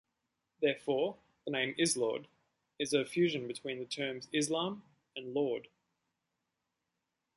Therefore, the name Islord is a fusion between the terms "Islam" and "lord.